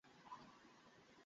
উত্তর না শুনলেই ভালো হবে।